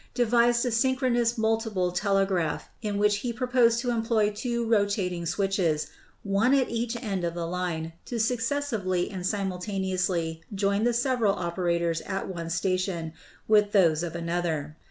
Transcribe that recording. devised a synchronous multiple telegraph in which he proposed to employ two rotating switches, one at each end of the line, to successively and simultaneously join the several operators at one station with those of another.